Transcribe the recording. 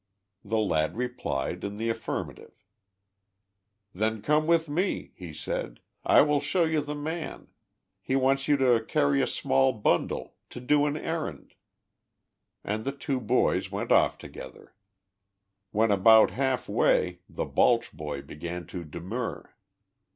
The lad replied in the affirmative. 1 Then come with me,' he said. 4 1 will show you the man — lie wants you to carry a small bundle — to do an errand.' And the two boys went off together. When about half way the Balch boy began to demur.